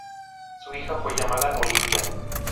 Su hija fue llamada Olympia.